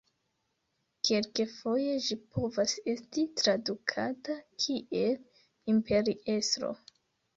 Kelkfoje ĝi povas esti tradukata kiel imperiestro.